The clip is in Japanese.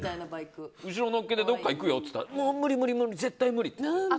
後ろに乗っけてどこか行くよって言ったら無理無理、絶対無理って。